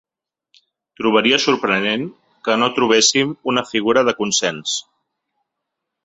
Trobaria sorprenent que no trobéssim una figura de consens.